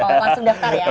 oh langsung daftar ya